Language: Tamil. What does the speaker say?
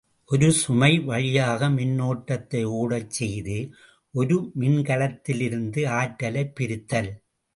ஒரு சுமை வழியாக மின்னோட்டத்தை ஒடச் செய்து ஒரு மின்கலத்திலிருந்து ஆற்றலைப் பிரித்தல்.